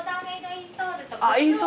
インソールね。